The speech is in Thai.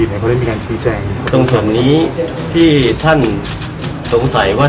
พี่แจงในประเด็นที่เกี่ยวข้องกับความผิดที่ถูกเกาหา